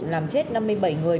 làm chết năm mươi bảy người